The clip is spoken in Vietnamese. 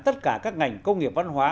tất cả các ngành công nghiệp văn hóa